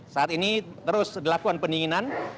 saat ini terus dilakukan pendinginan